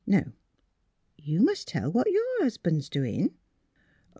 . Now you must tell what your hus 'ban's doing."